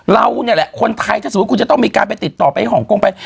เราเนี่ยแหละคนไทยถ้าสมมุติคุณจะต้องมีการไปติดต่อไปฮ่องกงไป